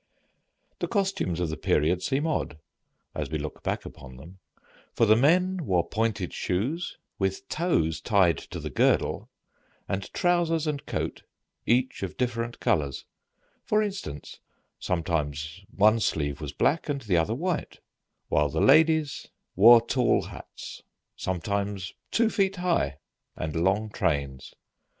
The costumes of the period seem odd, as we look back upon them, for the men wore pointed shoes with toes tied to the girdle, and trousers and coat each of different colors: for instance, sometimes one sleeve was black and the other white, while the ladies wore tall hats, sometimes two feet high, and long trains.